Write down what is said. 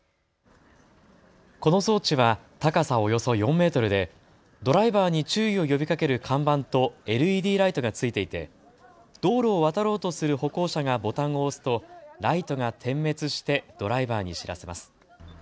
この装置は高さおよそ４メートルでドライバーに注意を呼びかける看板とＬＥＤライトが付いていて、道路を渡ろうとする歩行者がボタンを押すとライトが点滅してドライバーに知らせます。